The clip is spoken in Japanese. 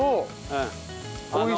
はい。